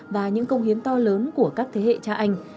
và những công hiến to lớn của các thế hệ cha anh